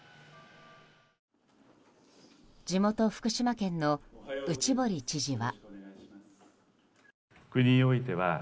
地元・福島県の内堀知事は。